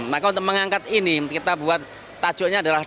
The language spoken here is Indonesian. maka untuk mengangkat ini kita buat tajuknya adalah